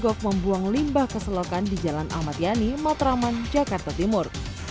gogok membuang limbah ke selokan di jalan ahmad yani matraman jakarta timur